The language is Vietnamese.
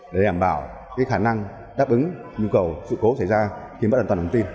để đảm bảo khả năng đáp ứng nhu cầu sự cố xảy ra khi mất an toàn thông tin